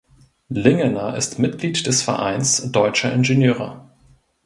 Lingener ist Mitglied des Vereins Deutscher Ingenieure.